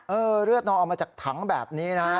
เลือดน้องออกมาจากถังแบบนี้นะฮะ